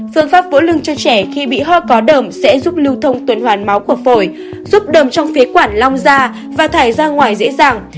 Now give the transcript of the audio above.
phương pháp vỡ lưng cho trẻ khi bị ho có đờm sẽ giúp lưu thông tuần hoàn máu của phổi giúp đờm trong phế quản long da và thải ra ngoài dễ dàng